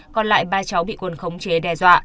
còn lại ba cháu bị cồn khống chế đe dọa